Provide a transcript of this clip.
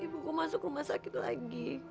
ibuku masuk rumah sakit lagi